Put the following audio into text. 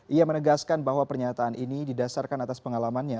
ia menegaskan bahwa pernyataan ini didasarkan atas pengalamannya